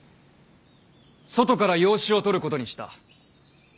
外から養子を取ることにした。